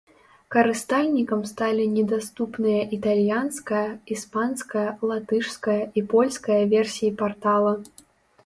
Карыстальнікам сталі недаступныя італьянская, іспанская, латышская і польская версіі партала.